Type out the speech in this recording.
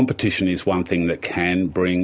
pembangunan adalah hal yang bisa